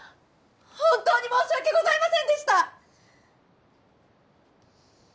本当に申し訳ございませんでした！